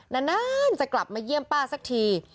นานจะกลับมาเยี่ยมป้าสักที